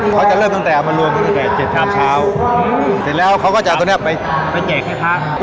เขาจะเริ่มตั้งแต่เอามารวมตั้งแต่เจ็ดชามเช้าเสร็จแล้วเขาก็จะเอาตัวเนี้ยไปไปแจกให้พระครับ